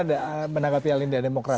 bagaimana menanggapi alinda demokrat